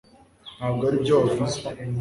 ntabwo aribyo wavuze